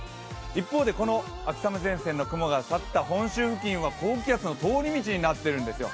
一方でこの秋雨前線の雲が去った本州付近は高気圧の通り道になっているんですよ。